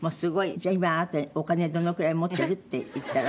じゃあ今あなたに「お金どのくらい持ってる？」って言ったら？